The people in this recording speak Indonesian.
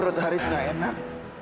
perut haris nggak enak